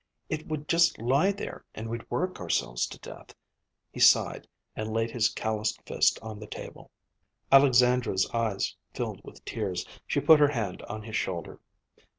It would just lie there and we'd work ourselves to death." He sighed, and laid his calloused fist on the table. Alexandra's eyes filled with tears. She put her hand on his shoulder.